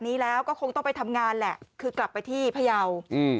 นี้แล้วก็คงต้องไปทำงานแหละคือกลับไปที่พยาวอืม